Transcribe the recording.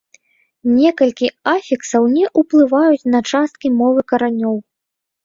Некалькі афіксаў не ўплываюць на часткі мовы каранёў.